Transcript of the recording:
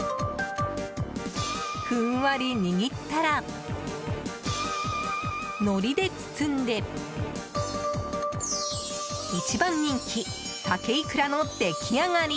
ふんわり握ったらのりで包んで一番人気鮭いくらの出来上がり！